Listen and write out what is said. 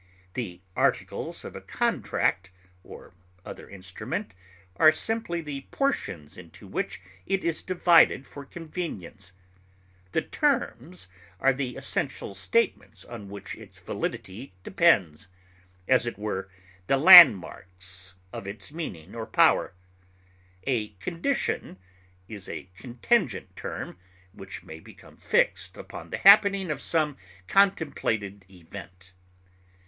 The articles of a contract or other instrument are simply the portions into which it is divided for convenience; the terms are the essential statements on which its validity depends as it were, the landmarks of its meaning or power; a condition is a contingent term which may become fixed upon the happening of some contemplated event.